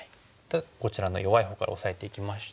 こちらの弱いほうからオサえていきまして。